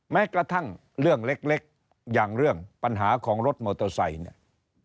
แม้กระทั่งเรื่องเล็กอย่างเรื่องปัญหาของรถมอเตอร์ไซค์เนี่ย